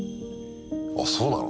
あ、そうなの？